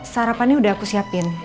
sarapannya udah aku siapin